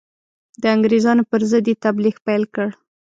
د انګرېزانو پر ضد یې تبلیغ پیل کړ.